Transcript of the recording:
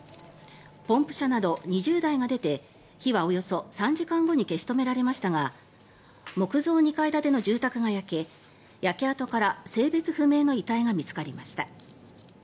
ポンプ車など２０台が出て火はおよそ３時間後に消し止められましたが木造２階建ての住宅が焼け焼け跡から性別不明の遺体が見つかりました。